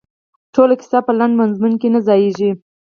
ټوله کیسه په لنډ مضمون کې نه ځاییږي.